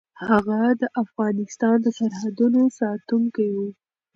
هغه د افغانستان د سرحدونو ساتونکی و.